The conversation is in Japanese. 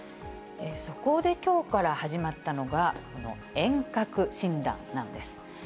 そこできょうから始まったのが、この遠隔診断なんです。